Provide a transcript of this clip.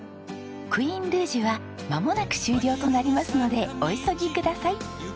クイーンルージュはまもなく終了となりますのでお急ぎください。